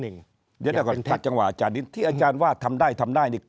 เดี๋ยวก่อนถัดจังหวะอาจารย์นิดที่อาจารย์ว่าทำได้ทำได้นี่